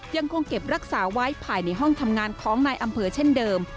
ยังคงเก็บรักษาไว้ภายในห้องทำงานของนายอำเภอเช่นเดิม